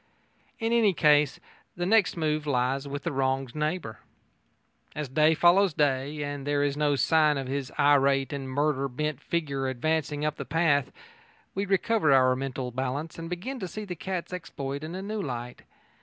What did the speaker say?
In any case the next move lies with the wronged neighbour. As day follows day, and there is no sign of his irate and murder bent figure advancing up the path, we recover our mental balance and begin to see the cat's exploit in a new light.